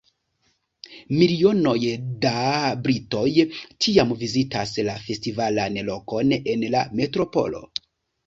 Milionoj da britoj tiam vizitis la festivalan lokon en la metropolo.